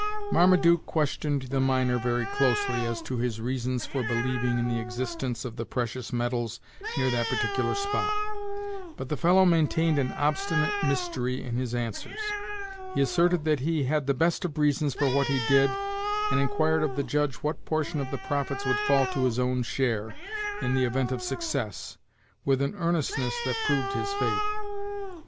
Marmaduke questioned the miner very closely as to his reasons for believing in the existence of the precious metals near that particular spot; but the fellow maintained an obstinate mystery in his answers. He asserted that he had the best of reasons for what he did, and inquired of the judge what portion of the profits would fall to his own share, in the event of success, with an earnestness that proved his faith.